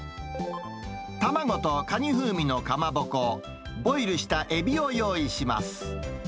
卵とカニ風味のかまぼこ、ボイルしたエビを用意します。